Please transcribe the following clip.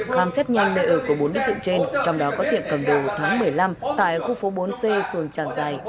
khám xét nhanh nơi ở của bốn đối tượng trên trong đó có tiệm cầm đồ thắng một mươi năm tại khu phố bốn c phường tràng giài